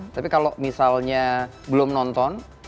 tapi kalau misalnya belum nonton